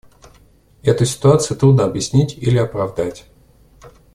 Эту ситуацию трудно объяснить или оправдать.